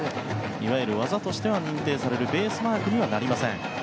いわゆる技としては認定されるベースマークにはなりません。